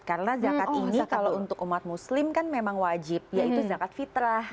karena zakat ini kalau untuk umat muslim kan memang wajib yaitu zakat fitrah